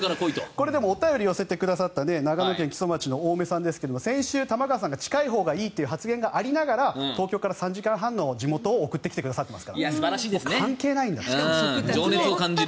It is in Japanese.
これはお便りを寄せてくださった長野県木曽町の大目さんですが先週、玉川さんが近いほうがいいという発言がありながら東京から３時間半の地元を送ってきてくださってますから情熱を感じる。